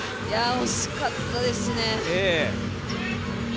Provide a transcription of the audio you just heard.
惜しかったですね。